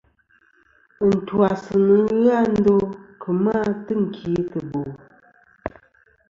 Ɨntwas nɨn ghɨ a ndo kemɨ a tɨnkìtɨbo.